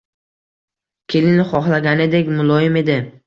Kelin xohlaganidek muloyim edi.